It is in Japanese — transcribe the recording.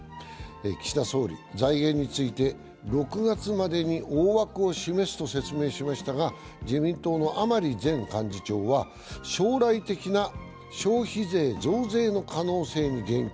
岸田総理、財源について６月までに大枠を示すと説明しましたが、自民党の甘利前幹事長は将来的な消費税増税の可能性に言及。